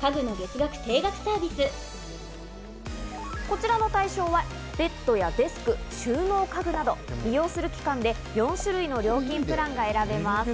こちらの対象はベッドやデスク、収納家具など利用する期間で４種類の料金プランが選べます。